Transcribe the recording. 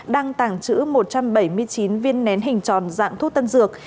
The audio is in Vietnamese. đang tàng trữ một trăm bảy mươi chín viên nén hình tròn dạng thuốc tân dược